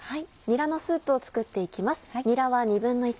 にらのスープを作って行きます。